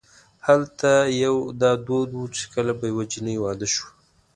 هلته یو دا دود و چې کله به یوه جنۍ واده شوه.